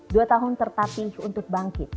dua tahun terpatin untuk bangkit